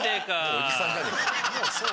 おじさんじゃねえか。